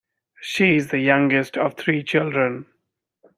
She is the youngest of three children.